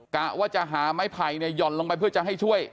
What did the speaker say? กะว่าจะหาไม้ไผ่หย่อนลงไปเพื่อจะให้ช่วย